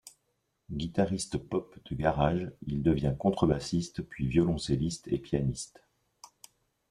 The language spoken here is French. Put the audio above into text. Guitariste pop de garage, il devient contrebassiste puis violoncelliste et pianiste.